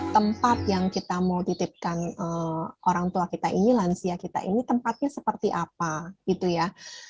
tempat yang kita mau titipkan orang tua kita ini lansia kita ini tempatnya seperti apa gitu ya